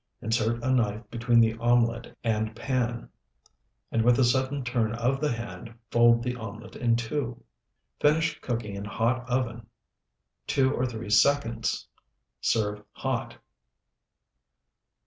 Insert a knife between the omelet and pan, and with a sudden turn of the hand fold the omelet in two. Finish cooking in hot oven two or three seconds. Serve hot.